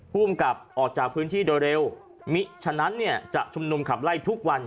ภูมิกับออกจากพื้นที่โดยเร็วมิฉะนั้นเนี่ยจะชุมนุมขับไล่ทุกวัน